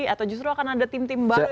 atau justru akan ada tim tim baru